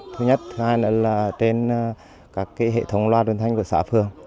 thứ nhất thứ hai là trên các hệ thống loạt truyền thanh của xã phường